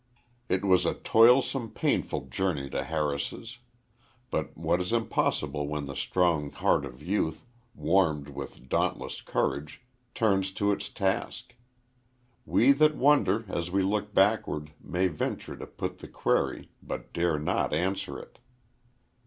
It was a toilsome, painful journey to Harris's. But what is impossible when the strong heart of youth, warmed with dauntless courage, turns to its task? We that wonder as we look backward may venture to put the query, but dare not answer it.